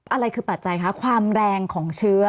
อะไรคือปัจจัยคะความแรงของเชื้อ